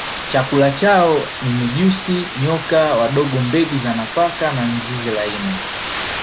Chakula chao ni mijusi nyoka wadogo mbegu za nafaka na mizizi laini